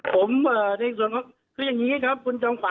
ผมในส่วนของคืออย่างนี้ครับคุณจอมขวั